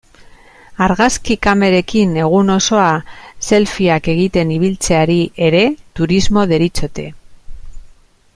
Argazki kamerekin egun osoa selfieak egiten ibiltzeari ere turismo deritzote.